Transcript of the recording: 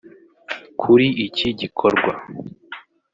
Kuri iki gikorwa